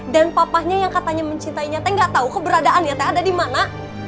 dan papahnya yang katanya mencintai nya teh ga tau keberadaan dia teh ada dimana